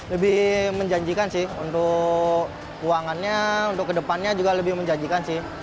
lebih menjanjikan sih untuk uangannya untuk kedepannya juga lebih menjanjikan sih